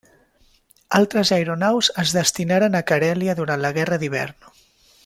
Altres aeronaus es destinaren a Carèlia durant la Guerra d'Hivern.